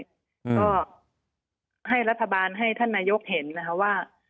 ก็ให้รัฐบาลให้ท่านนายกเห็นนะคะว่า